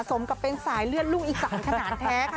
สมกับเป็นสายเลือดลูกอีสานขนาดแท้ค่ะ